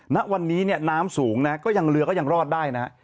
ณวันนี้เนี่ยน้ำสูงนะก็ยังเรือก็ยังรอดได้นะฮะ